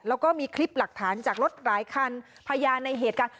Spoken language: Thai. แล้วก็มีคลิปหลักฐานจากรถหลายคันพยานในเหตุการณ์